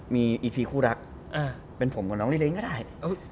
มีอีพีคู่รักเป็นผมกับน้องลิเล้งก็ได้